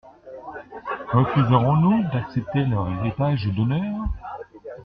Refuserons-nous d'accepter leur héritage d'honneur?